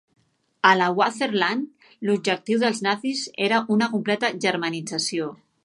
A la "Wartheland", l'objectiu dels nazis era una completa germanització.